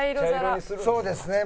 「そうですね。